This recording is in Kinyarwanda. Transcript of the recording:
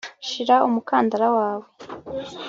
Shira umukandara wawe